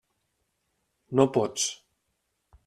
No pots.